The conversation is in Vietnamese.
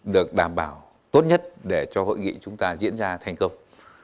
được đảm bảo tốt nhất để cho hội nghị chúng ta diễn ra thành công